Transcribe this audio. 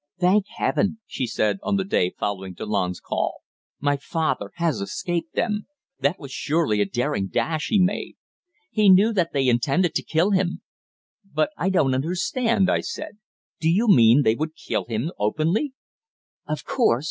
"Thank Heaven!" she said, on the day following Delanne's call, "father has escaped them. That was surely a daring dash he made. He knew that they intended to kill him." "But I don't understand," I said. "Do you mean they would kill him openly?" "Of course.